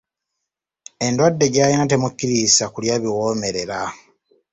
Enddwadde gy'alina temukkirizisa kulya biwoomerera.